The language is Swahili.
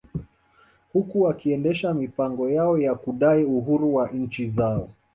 Huku wakiendesha mipango yao ya kudai uhuru wa nchi zao